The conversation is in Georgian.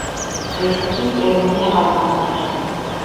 დღეისათვის ტერმინი აღარ გამოიყენება.